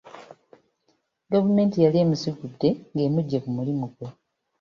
Gavumenti yali emusigudde ng'emujje ku mulimu ggwe.